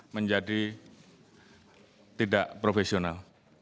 menjadi tidak profesional